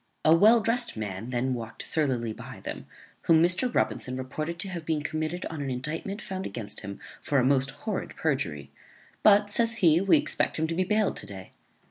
A well drest man then walked surlily by them, whom Mr. Robinson reported to have been committed on an indictment found against him for a most horrid perjury; but, says he, we expect him to be bailed today.